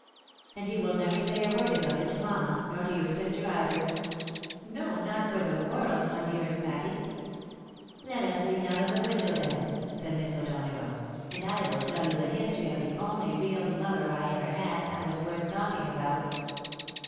" And you will never say a word about it to mamma, nor to your sister either ?"" No, not for the world, my dearest Patty.'' " Let us lean out of the window then," said Miss O'Dona gough, " and I will teU you the history of the only real lover I ever had, that was worth talking about."